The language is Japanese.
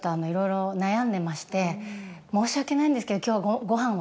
「申し訳ないんですけど」。